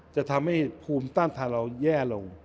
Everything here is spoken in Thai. จะทำให้ภูมิต้านทานเราแย่ลง